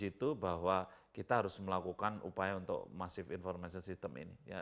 dan diuntungkan di situ bahwa kita harus melakukan upaya untuk masif informasi sistem ini